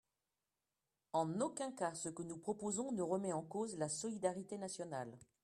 En aucun cas ce que nous proposons ne remet en cause la solidarité nationale.